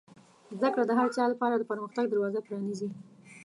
زده کړه د هر چا لپاره د پرمختګ دروازه پرانیزي.